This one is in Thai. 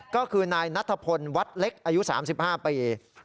ก็คือนายนัทพลวัดเล็กอายุ๓๕ปี